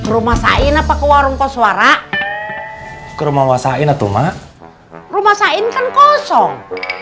rumah wasain apa ke warung koswara ke rumah wasain itu mak rumah wasain kan kosong